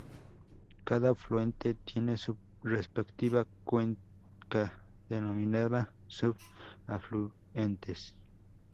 Cada afluente tiene su respectiva cuenca, denominada sub-afluentes.